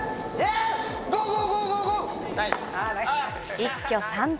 一挙３点。